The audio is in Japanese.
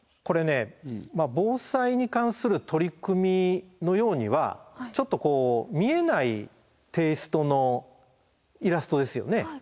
これね防災に関する取り組みのようにはちょっとこう見えないテイストのイラストですよね。